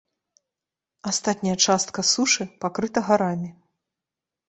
Астатняя частка сушы пакрыта гарамі.